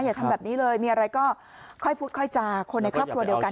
อย่าทำแบบนี้เลยมีอะไรก็ค่อยพูดค่อยจาคนในครอบครัวเดียวกัน